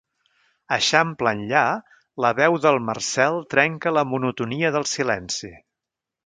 Eixample enllà, la veu del Marcel trenca la monotonia del silenci.